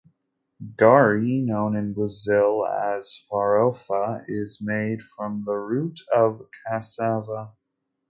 "Gari", known in Brazil as "farofa", is made from the root of "cassava".